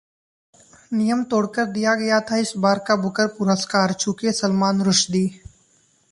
नियम तोड़कर दिया गया इस बार का बुकर पुरस्कार, चूके सलमान रुश्दी